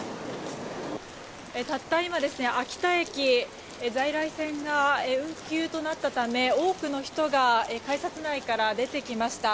たった今、秋田駅在来線が運休となったため多くの人が改札内から出てきました。